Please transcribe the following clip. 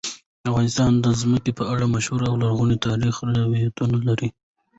افغانستان د ځمکه په اړه مشهور او لرغوني تاریخی روایتونه لري.